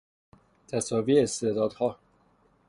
تساوی استعدادها